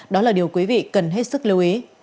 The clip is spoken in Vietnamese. đó là điều quý vị cần hết sức lưu ý